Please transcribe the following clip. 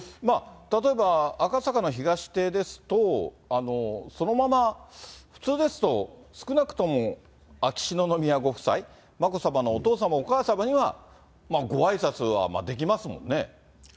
例えば、赤坂の東邸ですと、そのまま普通ですと、少なくとも秋篠宮ご夫妻、眞子さまのお父様、お母様にはごあいさつはできますもんね。